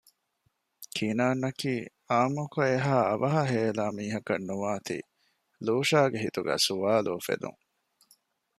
ކިނާންއަކީ އާންމުކޮށް އެހާ އަވަހަށް ހޭލާ މީހަކަށް ނުވާތީ ލޫޝާގެ ހިތުގައި ސުވާލު އުފެދުން